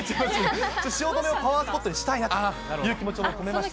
ちょっと汐留をパワースポットにしたいなという気持ちも込めまして。